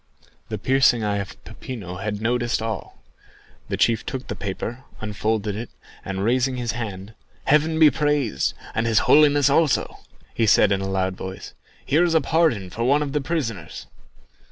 The piercing eye of Peppino had noticed all. The chief took the paper, unfolded it, and, raising his hand, "Heaven be praised, and his Holiness also," said he in a loud voice; "here is a pardon for one of the prisoners!"